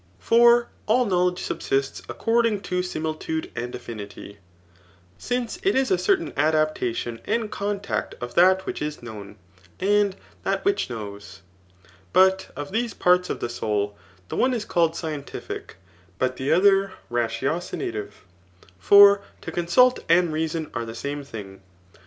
^ For all knowledge sub«sts acconU Digitized by Google CHAK If* ETHICS^ 211 ing to stmilkude and affinity ^ since it is a certain adapta* doQ and contact of that which is known, and that which knows. But of these parts of th^ soul, the one is called scientific, t>ut the other ratiodnatiye ; for to consult and reason are the same thing.